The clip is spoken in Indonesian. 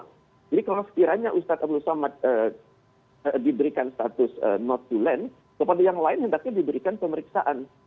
jadi kalau sekiranya ustadz abdul somad diberikan status not to land kepada yang lain hendaknya diberikan pemeriksaan